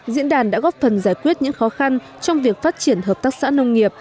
diễn đàn đã góp phần giải quyết những khó khăn trong việc phát triển hợp tác xã nông nghiệp